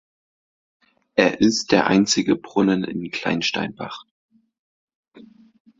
Er ist der einzige Brunnen in Kleinsteinbach.